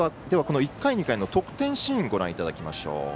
では、１回、２回の得点シーンをご覧いただきましょう。